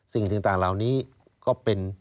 สิ่งทินตาระเหล่านี้ก็เป็น